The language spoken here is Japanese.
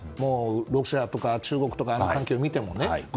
ロシアや中国の関係を見ても。